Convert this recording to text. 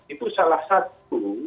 itu salah satu